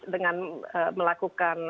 dengan melakukan memperoleh